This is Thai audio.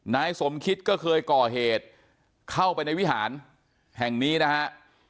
นายสมคิษก็เคยเก่าหตเมิดเข้าไปในวิหารแห่งนี้นะครับ